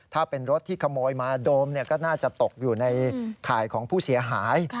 ถ้าเป็นรถที่ขโมยมาโดมก็น่าจะตกอยู่ในข่ายของผู้เสียหาย